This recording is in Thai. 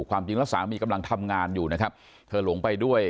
ความจริงแล้วสามีกำลังทำงานอยู่นะครับเธอหลงไปด้วย